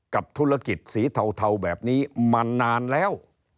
กับธุรกิจสีเทาแบบนี้มานานแล้ว